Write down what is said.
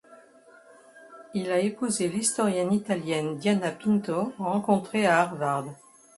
Il a épousé l'historienne italienne Diana Pinto, rencontrée à Harvard.